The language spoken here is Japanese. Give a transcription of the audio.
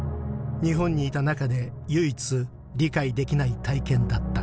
日本にいた中で唯一理解できない体験だった」。